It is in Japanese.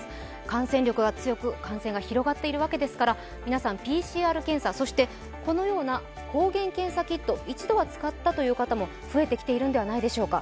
感染力が強く感染が広がっているわけですから皆さん、ＰＣＲ検査や抗原検査キットを一度は使ったという方も増えてきているんではないでしょうか。